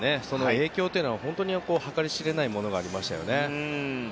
影響というのは本当に計り知れないものがありました。